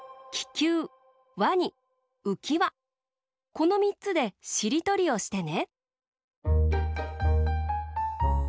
このみっつでしりとりをしてね。